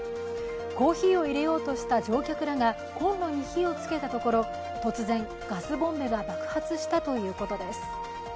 コーヒーをいれようとした乗客らが交互に火をつけたところ突然、ガスボンベが爆発したということです。